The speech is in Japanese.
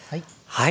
はい。